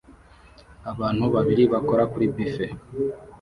Abantu babiri bakora kuri buffet